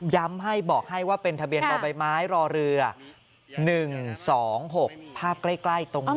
ยิ้มให้ว่าเป็นทะเบียนรอใบไม้รอเรือภาพใกล้ตรงนี้